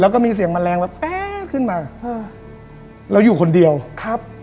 แล้วก็มีเสียงแมลงแบบแป๊ขึ้นมาอ่าแล้วอยู่คนเดียวครับ